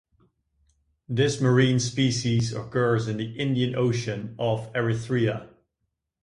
This marine species occurs in the Indian Ocean off Eritrea.